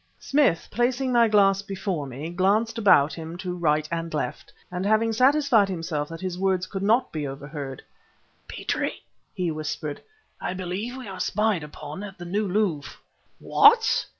Smith, placing my glass before me, glanced about him to right and left, and having satisfied himself that his words could not be overheard "Petrie," he whispered, "I believe we are spied upon at the New Louvre." "What!"